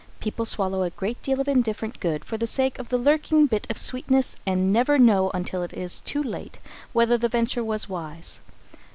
People swallow a great deal of indifferent good for the sake of the lurking bit of sweetness and never know until it is too late whether the venture was wise.